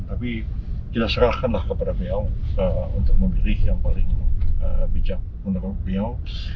tapi kita serahkanlah kepada beliau untuk memilih yang paling bijak menurut beliau